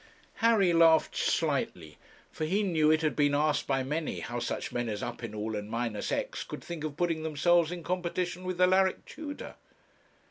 Harry laughed slightly, for he knew it had been asked by many how such men as Uppinall and Minusex could think of putting themselves in competition with Alaric Tudor.